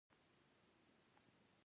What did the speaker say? ښځې د سړي پر غاړه ګوتې کېښودې.